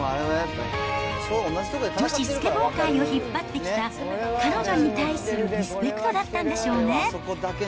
女子スケボー界を引っ張ってきた彼女に対するリスペクトだったんでしょうね。